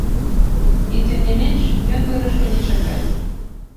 І, тым не менш, ён вырашыў не чакаць.